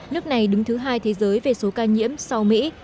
nước này đứng thứ hai thế giới về số ca nhiễm sau mỹ